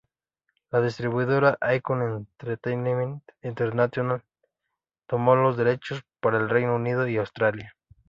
La distribuidora Icon Entertainment International tomó los derechos para el Reino Unido y Australia.